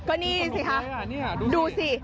ก็นี่สิคะดูสิ